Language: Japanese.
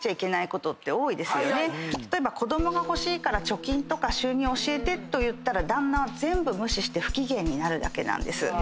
例えば子供欲しいから貯金とか収入教えてと言ったら旦那は全部無視して不機嫌になるだけなんです。